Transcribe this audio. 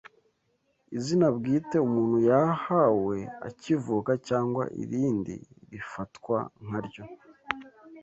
Izina bwite umuntu yahawe akivuka cyangwa irindi rifatwa nka ryo